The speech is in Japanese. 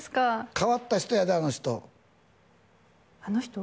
変わった人やであの人あの人？